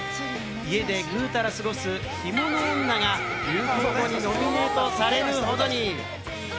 家でぐうたら過ごす干物女が流行語にノミネートされるほどに。